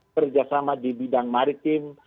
kerjasama di bidang maritim